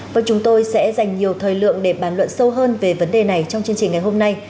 và chúng tôi sẽ dành nhiều thời lượng để bàn luận sâu hơn về vấn đề này trong chương trình ngày hôm nay